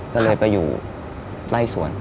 ก็เลยไปอยู่ไล่สวน